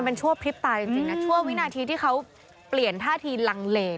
มันชั่วพริบตาจริงนะชั่ววินาทีที่เขาเปลี่ยนท่าทีลังเล